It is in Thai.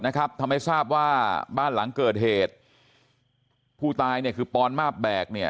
นะครับทำให้ทราบว่าบ้านหลังเกิดเหตุผู้ตายคือปอลมับแบก